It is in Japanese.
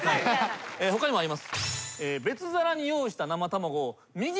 他にもあります。